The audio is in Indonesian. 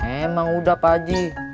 emang udah pak haji